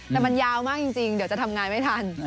แต่มันยาวมากจริงเดี๋ยวจะทำงานไม่ทัน